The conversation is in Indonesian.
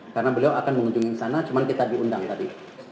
karena beliau akan mengunjungi sana cuma kita diundang tadi